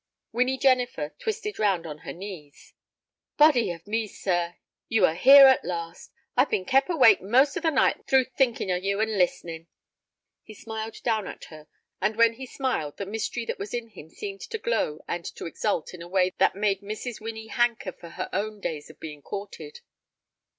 Winnie Jennifer twisted round on her knees. "Body of me, sir, you are here at last! I've been kep' awake most of the night through thinking of ye, and listening." He smiled down at her, and when he smiled the mystery that was in him seemed to glow and to exult in a way that made Mrs. Winnie hanker after her own days of being courted.